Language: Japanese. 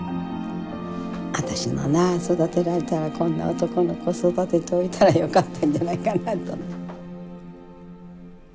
私もまあ育てられたらこんな男の子育てておいたらよかったんじゃないかなと。